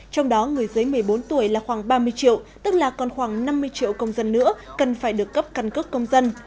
trong đó người dưới một mươi bốn tuổi là khoảng ba mươi triệu tức là còn khoảng năm mươi triệu công dân nữa cần phải được cấp căn cước công dân